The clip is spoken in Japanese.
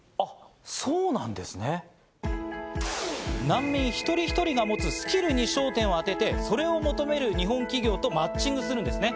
難民、一人一人が持つスキルに焦点を当てて、それを求める日本企業とマッチングするんですね。